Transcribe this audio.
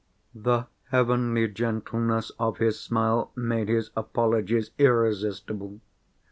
The heavenly gentleness of his smile made his apologies irresistible.